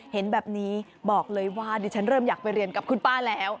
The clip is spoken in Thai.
เห็นแบบนี้บอกเลยว่าดิฉันเริ่มอยากไปเรียนกับคุณป้าแล้ว